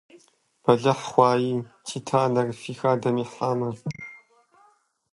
Бэлыхь хъуаи ди танэр фи хадэм ихьамэ!